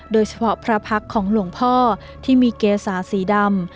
โดยเฉพาะพระพักษ์ของหลวงพ่อที่มีเกษาสีดำ